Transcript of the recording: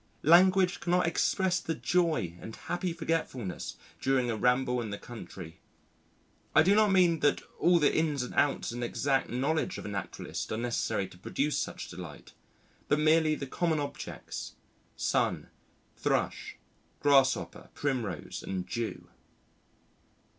Language cannot express the joy and happy forgetfulness during a ramble in the country. I do not mean that all the ins and outs and exact knowledge of a naturalist are necessary to produce such delight, but merely the common objects Sun, Thrush, Grasshopper, Primrose, and Dew.